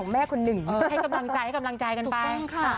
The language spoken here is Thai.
ให้กำลังใจกันไป